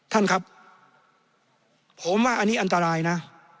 ท่านครับผมว่าอันนี้อันตรายนะ